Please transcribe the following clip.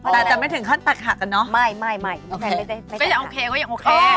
แต่จะไม่ถึงขั้นตัดหักอะเนอะโอเคไม่ได้ไม่จัดหักไม่ได้โอเคก็ยังโอเค